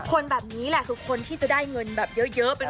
คนแบบนี้แหละคือคนที่จะได้เงินแบบเยอะ